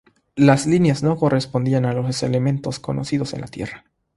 Las líneas no correspondían a elementos conocidos en la Tierra.